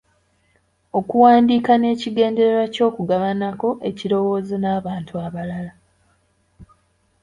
Okuwandiika n’ekigendererwa ky’okugabanako ekirowoozo n’abantu abalala.